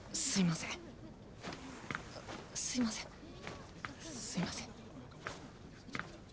すいませんすいません。